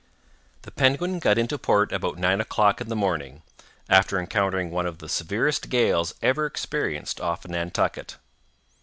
The Penguin got into port about nine o'clock in the morning, after encountering one of the severest gales ever experienced off Nantucket.